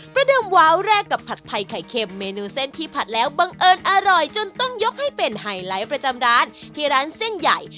ประเดิมว้าวแรกกับผัดไทยไข่เค็มเมนูเส้นที่ผัดแล้วบังเอิญอร่อยจนต้องยกให้เป็นไฮไลท์ประจำร้านที่ร้านเส้นใหญ่